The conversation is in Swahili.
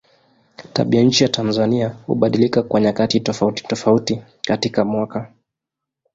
Tabianchi ya Tanzania hubadilika kwa nyakati tofautitofauti katika mwaka.